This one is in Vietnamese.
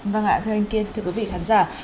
vâng ạ thưa anh kiên thưa quý vị khán giả